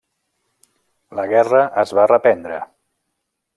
La guerra es va reprendre.